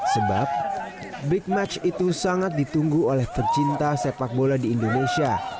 sebab big match itu sangat ditunggu oleh pecinta sepak bola di indonesia